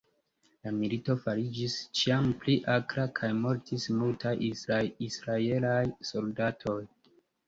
La milito fariĝis ĉiam pli akra, kaj mortis multaj Israelaj soldatoj.